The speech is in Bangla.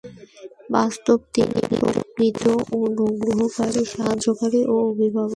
বস্তুত তিনিই প্রকৃত অনুগ্রহকারী, সাহায্যকারী ও অভিভাবক।